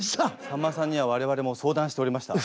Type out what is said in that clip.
さんまさんには我々も相談しておりました。